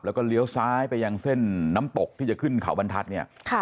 แล้วก็เลี้ยวซ้ายไปยังเส้นน้ำตกที่จะขึ้นเขาบรรทัศน์เนี่ย